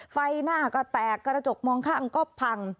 ไฟหน้าก็แตกกระจกมองข้างก็พัง